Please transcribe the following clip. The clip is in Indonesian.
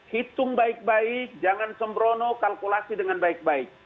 hitung baik baik jangan sembrono kalkulasi dengan baik baik